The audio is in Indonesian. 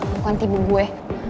bukan tiba gue